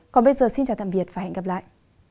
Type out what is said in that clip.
còn bây giờ xin chào tạm biệt và hẹn gặp lại